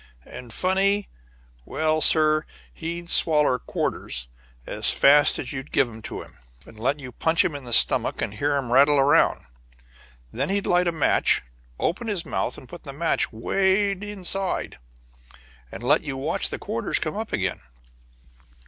"And funny? Well, sir, he'd swaller quarters as fast as you'd give 'em to him, and let you punch him in the stomach and hear 'em rattle around. Then he'd light a match, open his mouth, put the match 'way inside, and let you watch the quarters come up again.